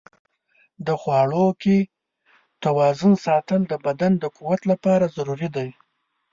د خواړو کې توازن ساتل د بدن د قوت لپاره ضروري دي.